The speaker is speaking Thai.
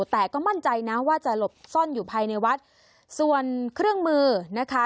แต่ก็มั่นใจนะว่าจะหลบซ่อนอยู่ภายในวัดส่วนเครื่องมือนะคะ